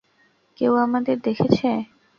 কেউ আমাদের দেখেছে।